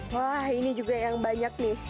wah ini juga yang banyak nih